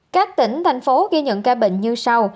các tỉnh thành phố ghi nhận ca bệnh như sau